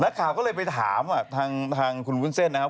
ข่าวก็เลยไปถามทางคุณวุ้นเส้นนะครับ